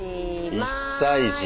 １歳児。